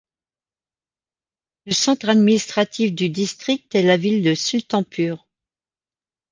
Le centre administratif du district est la ville de Sultanpur.